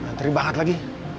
nanti banget lagi